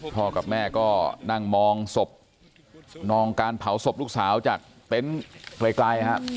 พ่อกับแม่ก็นั่งมองศพมองการเผาศพลูกสาวจากเต็นต์ไกลครับ